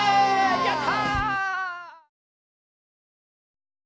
やった！